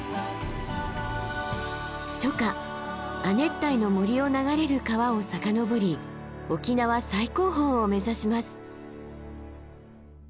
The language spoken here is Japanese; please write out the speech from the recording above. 初夏亜熱帯の森を流れる川を遡り沖縄最高峰を目指します。